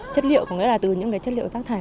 chất liệu có nghĩa là từ những cái chất liệu rác thải